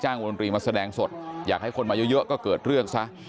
วงดนตรีมาแสดงสดอยากให้คนมาเยอะก็เกิดเรื่องซะ